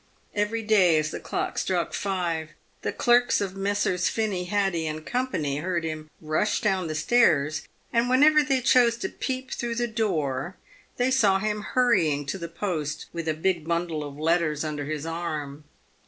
Every day as the clock struck five, the clerks of Messrs. Finny, Haddy, and Co. heard him rush down stairs, and whenever they chose to peep through the door, they saw him hurrying to the post with a big bundle of letters under his arm.